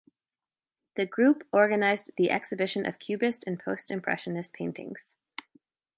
The group organized the exhibition of Cubist and Post-Impressionist paintings.